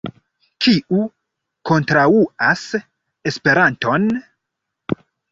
Kiu kontraŭas Esperanton?